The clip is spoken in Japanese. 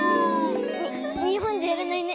にほんじゃやらないね。